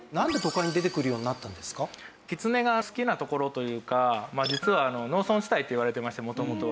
キツネが好きな所というか実は農村地帯っていわれてまして元々は。